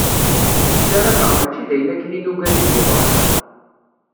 Ssarameɣ mačči d ayen akken i nuggad i d-yeḍran.